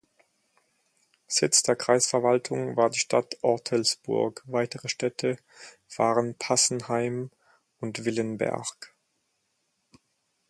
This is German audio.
Sitz der Kreisverwaltung war die Stadt Ortelsburg, weitere Städte waren Passenheim und Willenberg.